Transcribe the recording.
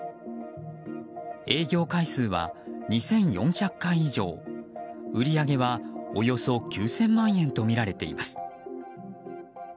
営業回数は２４００回以上売り上げはおよそ９０００万円とみられています。